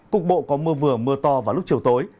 cục bộ có mưa vừa mưa to vào lúc chiều tối